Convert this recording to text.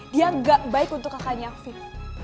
dia gak baik untuk kakaknya fit